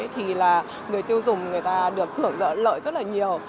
thì là người tiêu dùng người ta được thưởng lợi rất là nhiều